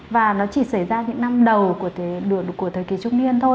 và nó chỉ xảy ra những năm đầu của thời kỳ trung niên thôi